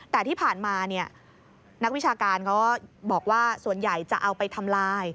แต่ที่ผ่านมานักวิชาการเขาบอกว่าส่วนใหญ่จะเอาไปทำลาย